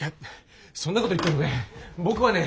そんなこと言ってもね